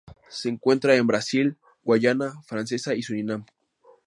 Se encuentran en Brasil, Guayana Francesa, y Surinam.